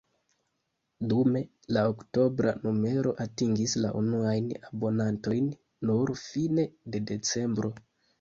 Dume, la oktobra numero atingis la unuajn abonantojn nur fine de decembro.